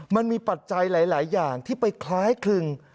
ปัจจัยหลายอย่างที่ไปคล้ายคลึง